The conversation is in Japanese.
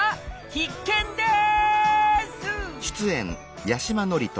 必見です！